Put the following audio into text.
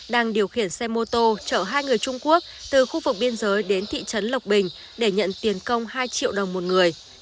đang điều khiển xe mô tô chở hai người trung quốc từ khu vực biên giới đến thị trấn lộc bình để nhận tiền công hai triệu đồng một người